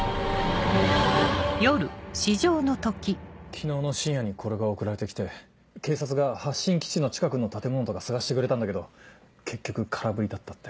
昨日の深夜にこれが送られて来て警察が発信基地の近くの建物とか捜してくれたんだけど結局空振りだったって。